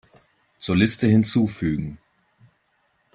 Zur Liste hinzufügen.